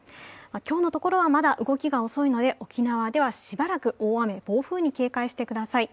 今日のところはまだ動きが遅いので、沖縄ではしばらく大雨、暴風に警戒してください。